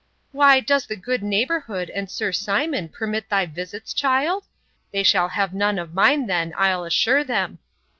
—'Why, does the good neighbourhood, and does Sir Simon, permit thy visits, child? They shall have none of mine, then, I'll assure them!